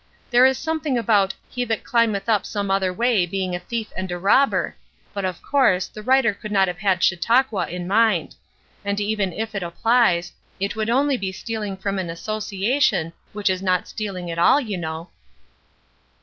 There is something about 'he that climbeth up some other way being a thief and a robber;' but, of course, the writer could not have had Chautauqua in mind; and even if it applies, it would be only stealing from an Association, which is not stealing at all, you know."